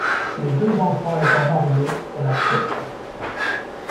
Ses deux enfants étant mariés, elle accepte.